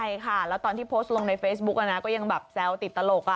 ใช่ค่ะแล้วตอนที่โพสต์ลงในเฟซบุ๊กก็ยังแบบแซวติดตลก